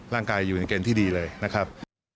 อยู่ในเกณฑ์ที่ดีเลยนะครับ